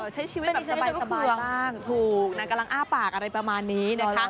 ใช้ชีวิตแบบสบายบ้างถูกนางกำลังอ้าปากอะไรประมาณนี้นะคะ